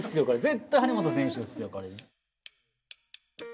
絶対張本選手ですよこれ。